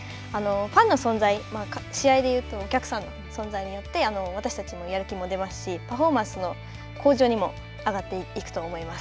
ファンの存在、試合で言うと、お客さんの存在によって、私たちもやる気も出ますし、パフォーマンスの向上にも上がっていくと思います。